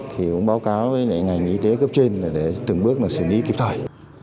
thì báo cáo với ngành y tế cấp trên để từng bước xử lý kịp thời